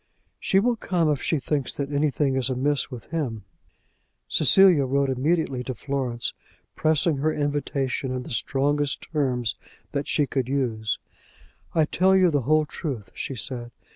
"She will come if she thinks that anything is amiss with him." Cecilia wrote immediately to Florence, pressing her invitation in the strongest terms that she could use. "I tell you the whole truth," she said.